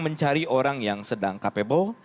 mencari orang yang sedang capable